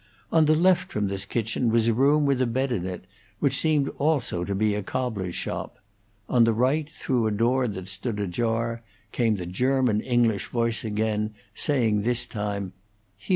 On the left from this kitchen was a room with a bed in it, which seemed also to be a cobbler's shop: on the right, through a door that stood ajar, came the German English voice again, saying this time, "Hier!"